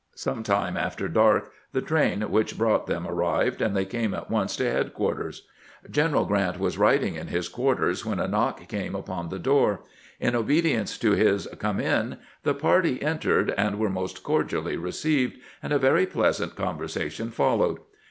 Some time after dark the train which brought them arrived, and they came at once to headquarters. General Grant was writing in his quarters when a knock came upon the door. In obedience to his " Come in !" the party entered, and were most cordially received, and a very pleasant con versation followed.